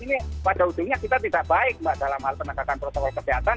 ini pada ujungnya kita tidak baik mbak dalam hal penegakan protokol kesehatan